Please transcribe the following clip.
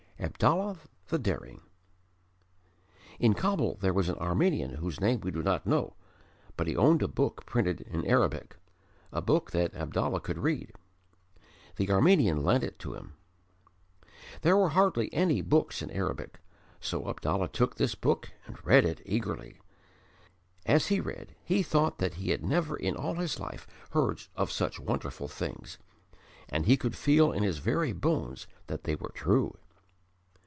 Abdallah the Daring In Kabul there was an Armenian whose name we do not know: but he owned a book printed in Arabic, a book that Abdallah could read. The Armenian lent it to him. There were hardly any books in Arabic, so Abdallah took this book and read it eagerly. As he read, he thought that he had never in all his life heard of such wonderful things, and he could feel in his very bones that they were true.